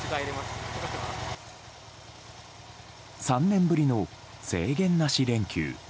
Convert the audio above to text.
３年ぶりの制限なし連休。